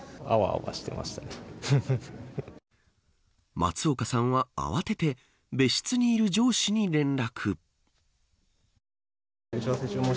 松岡さんは、慌てて別室にいる上司に連絡。